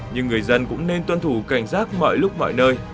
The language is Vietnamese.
nhưng người dân cũng nên tuân thủ cảnh giác mọi lúc mọi nơi